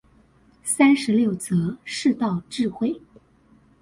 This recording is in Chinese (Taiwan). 三十六則世道智慧